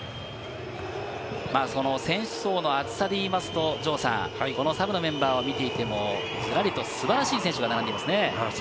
選手層の厚さで言うと城さん、サブのメンバーを見ていても、ズラリと素晴らしい選手が並んでいますね。